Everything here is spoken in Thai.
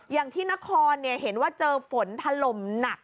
ยังที่ณคอนเห็นเว้าเจอฝนทะลมหนัก